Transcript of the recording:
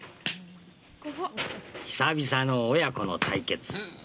久々の親子の対決。